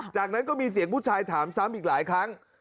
จากนั้นก็มีเสียงผู้ชายถามซ้ำอีกหลายครั้ง